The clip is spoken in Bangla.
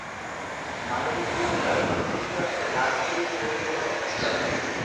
মাদারীপুর জেলার পশ্চিম প্রান্তে রাজৈর পৌরসভার অবস্থান।